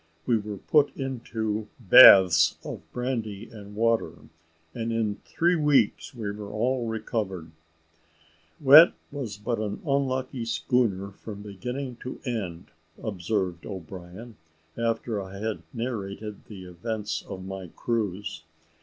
We were put into baths of brandy and water, and in three weeks were all recovered. "That was but an unlucky schooner from beginning to end," observed O'Brien, after I had narrated the events of my cruise.